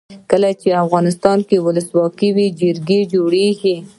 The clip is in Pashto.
کله چې افغانستان کې ولسواکي وي جرګې جوړیږي.